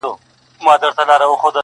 دره له غونډیو محاصره ده.